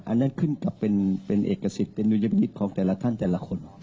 อันนั้นขึ้นเป็นเอกศิษฐ์เป็นดุลยักษณิดเองของแต่ละท่านแต่ละคน